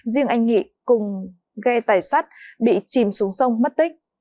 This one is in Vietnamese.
riêng anh nghị cùng ghe tài sát bị chìm xuống sông mất tích